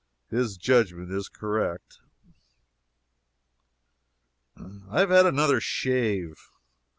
His judgment is correct. I have had another shave.